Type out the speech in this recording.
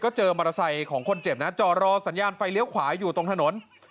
เจอมอเตอร์ไซค์ของคนเจ็บนะจอดรอสัญญาณไฟเลี้ยวขวาอยู่ตรงถนน